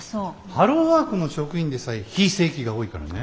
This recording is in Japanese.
ハローワークの職員でさえ非正規が多いからね。